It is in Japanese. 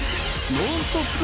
ノンストップ！